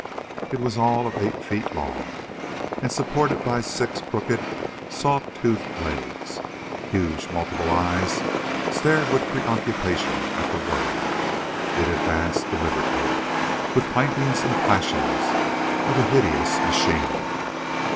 It was all of eight feet long and supported by six crooked, saw toothed legs. Huge, multiple eyes stared with preoccupation at the world. It advanced deliberately with clankings and clashings as of a hideous machine.